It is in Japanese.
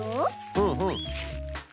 うんうん。